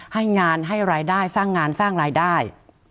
ให้งานให้รายได้สร้างงานสร้างรายได้